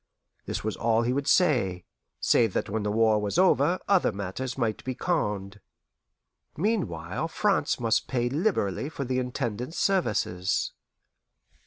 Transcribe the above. This was all he would say, save that when the war was over other matters might be conned. Meanwhile France must pay liberally for the Intendant's services.